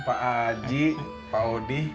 pak haji pak odi